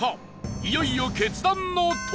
いよいよ決断の時！